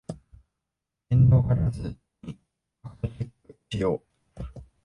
面倒がらずにファクトチェックしよう